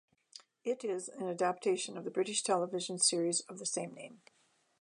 It is an adaptation of the British television series of the same name.